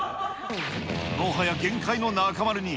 もはや限界の中丸に、